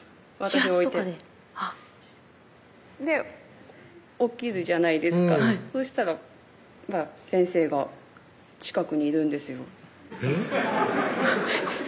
始発とかでで起きるじゃないですかそしたら先生が近くにいるんですよえっ？